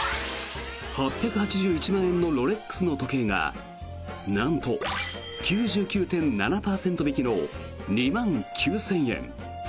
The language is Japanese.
８８１万円のロレックスの時計がなんと、９９．７％引きの２万９０００円。